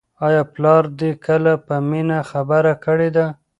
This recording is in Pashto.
آیا پلار دې کله په مینه خبره کړې ده؟